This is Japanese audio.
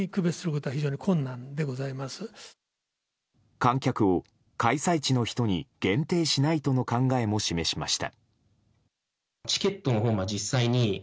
観客を開催地の人に限定しないとの考えも示しました。